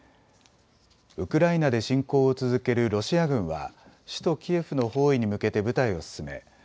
ウクライナで侵攻を続けるロシア軍は首都キエフの包囲に向けて部隊を進め